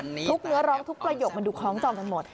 ทุกเนื้อร้องทุกประโยคมันดูคล้องจองกันหมด